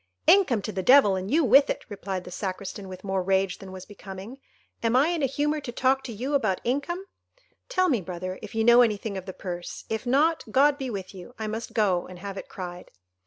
"Income to the devil, and you with it," replied the Sacristan, with more rage than was becoming; "am I in a humour to talk to you about income? Tell me, brother, if you know anything of the purse; if not, God be with you—I must go and have it cried."